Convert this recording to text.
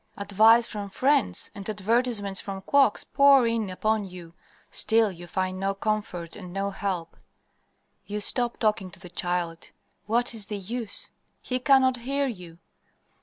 Advice from friends and advertisements from quacks pour in upon you; still you find no comfort and no help. "You stop talking to the child. What is the use? He cannot hear you!